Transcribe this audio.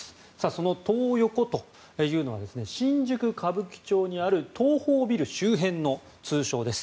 そのトー横というのは新宿・歌舞伎町にある東宝ビル周辺の通称です。